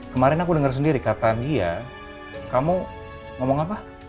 kemarin aku denger sendiri kata dia kamu ngomong apa